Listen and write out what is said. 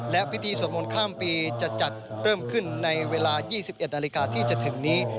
และพิธีสวดมนต์ข้ามปีจะจัดเริ่มขึ้นในเวลา๒๑นาฬิกาที่จะถึงนี้